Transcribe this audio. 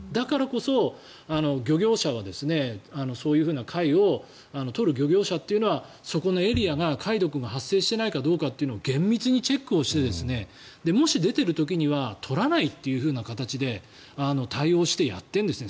だからこそ、漁業者はそういう貝を取る漁業者はそこのエリアが貝毒が発生していないかどうかを厳密にチェックしてもし出ている時には取らないという形で対応してやってるんですよ。